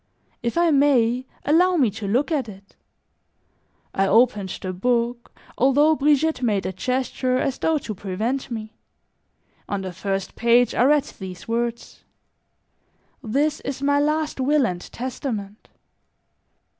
"If I may, allow me to look at it." I opened the book, although Brigitte made a gesture as though to prevent me; on the first page I read these words: "This is my last will and testament."